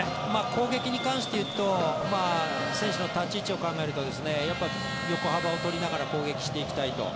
攻撃に関して言うと選手の立ち位置を考えると横幅を取りながら攻撃していきたいと。